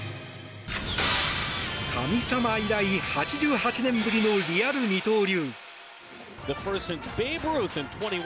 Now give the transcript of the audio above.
神様以来８８年ぶりのリアル二刀流。